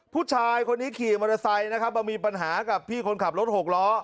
ผู้ชายคนนี้ขี่มอเตอร์ไซค์นะครับมามีปัญหากับพี่คนขับรถหกล้อ